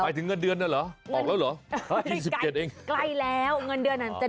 หมายถึงเงินเดือนนั้นเหรอ